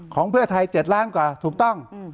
เพื่อไทย๗ล้านกว่าถูกต้อง